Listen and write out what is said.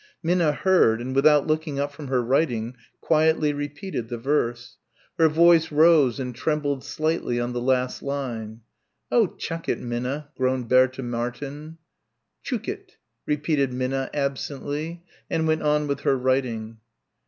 Minna heard and without looking up from her writing quietly repeated the verse. Her voice rose and trembled slightly on the last line. "Oh, chuck it, Minna," groaned Bertha Martin. "Tchookitt," repeated Minna absently, and went on with her writing.